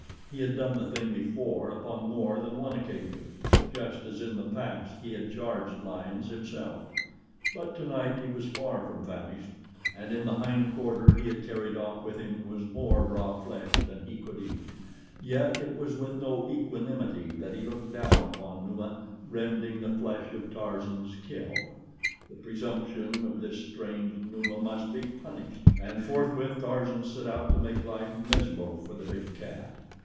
He had done the thing before upon more than one occasion, just as in the past he had charged lions himself; but tonight he was far from famished and in the hind quarter he had carried off with him was more raw flesh than he could eat; yet it was with no equanimity that he looked down upon Numa rending the flesh of Tarzan's kill. The presumption of this strange Numa must be punished! And forthwith Tarzan set out to make life miserable for the big cat.